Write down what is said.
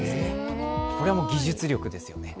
これはもう、技術力ですね。